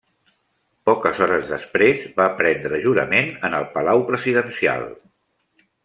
Poques hores després, va prendre jurament en el Palau Presidencial.